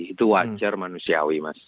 itu wajar manusiawi mas